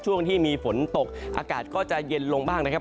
ช่วงที่มีฝนตกอากาศก็จะเย็นลงบ้างนะครับ